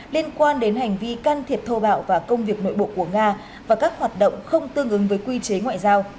liên quan đến hành vi can thiệp thô bạo và công việc nội bộ của nga và các hoạt động không tương ứng với quy chế ngoại giao